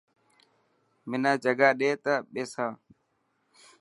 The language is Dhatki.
منا جگا ڏي ته ٻيسان.